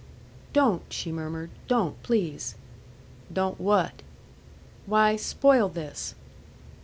"Don't," she murmured. "Don't, please." "Don't what?" "Why spoil this."